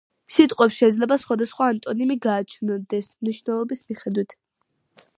სიტყვებს შეიძლება სხვადასხვა ანტონიმი გააჩნდეს, მნიშვნელობის მიხედვით.